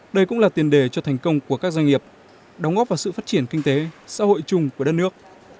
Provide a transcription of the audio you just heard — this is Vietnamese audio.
đây cũng là tiền đề cho thành công của các doanh nghiệp đóng góp vào sự phát triển kinh tế xã hội chung của đất nước